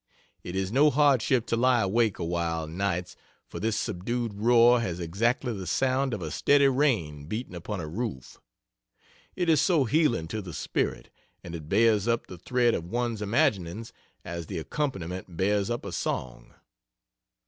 It is no hardship to lie awake awhile, nights, for this subdued roar has exactly the sound of a steady rain beating upon a roof. It is so healing to the spirit; and it bears up the thread of one's imaginings as the accompaniment bears up a song.